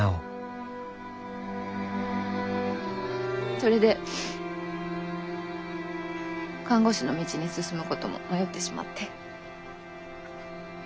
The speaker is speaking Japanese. それで看護師の道に進むことも迷ってしまって。